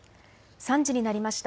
３時になりました。